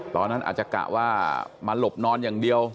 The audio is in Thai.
ตอนนั้นอาจจะกะว่ามาหลบนอนอย่างเดียว